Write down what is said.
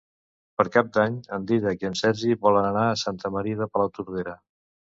Per Cap d'Any en Dídac i en Sergi volen anar a Santa Maria de Palautordera.